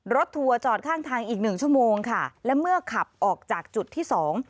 ทัวร์จอดข้างทางอีกหนึ่งชั่วโมงค่ะและเมื่อขับออกจากจุดที่สอง